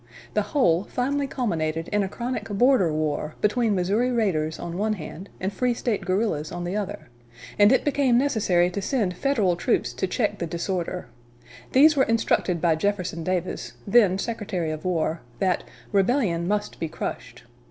The whole finally culminated in a chronic border war between Missouri raiders on one hand, and free State guerrillas on the other; and it became necessary to send Federal troops to check the disorder. These were instructed by Jefferson Davis, then Secretary of War, that "rebellion must be crushed."